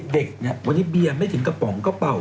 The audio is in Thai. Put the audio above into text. เด็กเนี่ยวันนี้เบียร์ไม่ถึงกระป๋องกระเป๋า